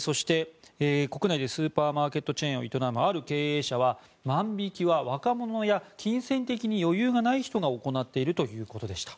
そして、国内でスーパーマーケットチェーンを営むある経営者は万引きは若者や金銭的に余裕がない人が行っているということでした。